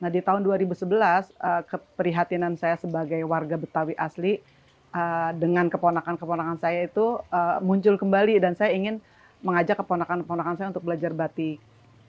di tahun dua ribu sebelas keprihatinan saya sebagai warga betawi asli dengan keponakan keponakan saya itu muncul kembali dan saya ingin mengajak keponakan keponakan saya untuk belajar batik